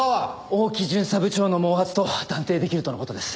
大木巡査部長の毛髪と断定できるとの事です。